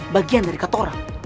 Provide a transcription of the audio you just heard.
bagian dari katorang